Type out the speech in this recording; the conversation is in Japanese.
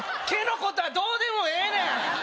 毛のことはどうでもええねん！